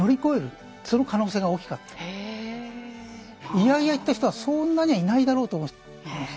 イヤイヤ行った人はそんなにはいないだろうと思います。